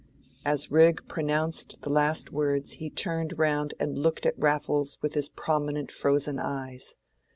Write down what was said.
As Rigg pronounced the last words he turned round and looked at Raffles with his prominent frozen eyes.